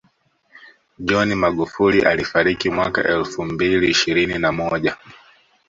John Magufuli alifariki mwaka elfu mbili ishirini na moja